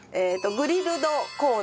グリル・ド・コーン？